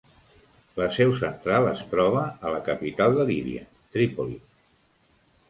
La seu central es troba a la capital de Líbia, Trípoli.